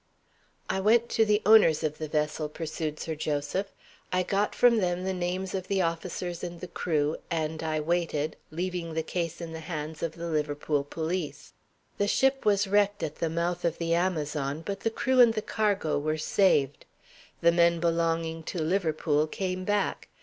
"I went to the owners of the vessel," pursued Sir Joseph. "I got from them the names of the officers and the crew, and I waited, leaving the case in the hands of the Liverpool police. The ship was wrecked at the mouth of the Amazon, but the crew and the cargo were saved. The men belonging to Liverpool came back.